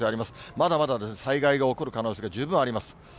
まだまだ災害が起こる可能性が十分あります。